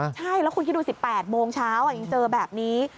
ใช่แล้วคุณคิดดู๑๘โมงเช้ายังเจอแบบนี้